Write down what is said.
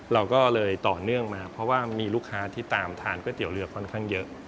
เราก็เลยต่อเนื่องมาเพราะว่ามีลูกค้าที่ตามทานก๋วยเตี๋ยเรือค่อนข้างเยอะ